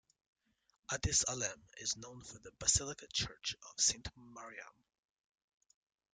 Addis Alem is known for the Basilica Church of Saint Maryam.